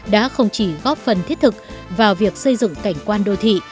đã không chỉ góp phần thiết thực vào việc xây dựng cảnh quan đô thị